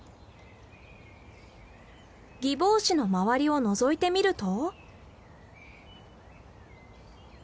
ギボウシの周りをのぞいてみると。